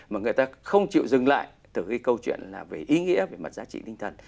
mà người ta không chịu dừng lại từ cái câu chuyện là về ý nghĩa về mặt giá trị tinh thần